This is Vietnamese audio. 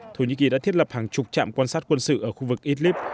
thổ nhĩ kỳ đã thiết lập hàng chục trạm quan sát quân sự ở khu vực idlib